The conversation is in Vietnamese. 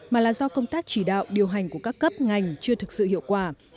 mà là do công tác chỉ đạo điều hành của các cấp ngành chưa thực sự hiệu quả